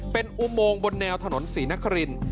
เป็นอุโมงบนแนวถนนศรีนคริน